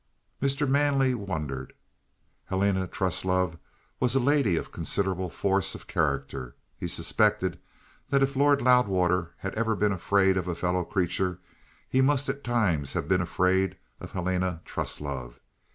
Mr. Manley wondered. Helena Truslove was a lady of considerable force of character. He suspected that if Lord Loudwater had ever been afraid of a fellow creature, he must at times have been afraid of Helena Truslove.